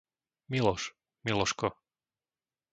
Miloš, Miloško